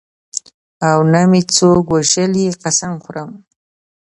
او نه مې څوک وژلي قسم خورم.